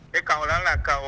cái cầu đó là cầu